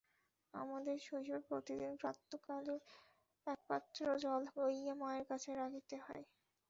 আমাদের শৈশবে প্রতিদিন প্রাতঃকালে একপাত্র জল লইয়া মায়ের কাছে রাখিতে হয়।